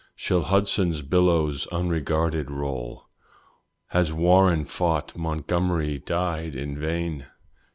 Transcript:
Shall Hudson's billows unregarded roll? Has Warren fought, Montgomery died in vain?